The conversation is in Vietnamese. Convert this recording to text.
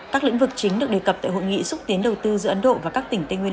các lĩnh vực chính được đề cập tại hội nghị xúc tiến đầu tư giữa ấn độ và các tỉnh tây nguyên